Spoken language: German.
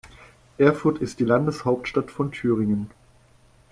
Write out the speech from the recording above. Erfurt ist die Landeshauptstadt von Thüringen.